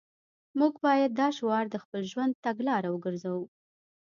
موږ باید دا شعار د خپل ژوند تګلاره وګرځوو